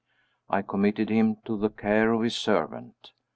I committed him to the care of his servant.